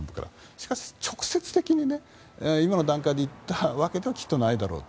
しかし、直接的に今の段階で言ったわけではきっとないだろうと。